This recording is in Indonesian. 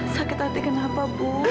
sakit hati kenapa bu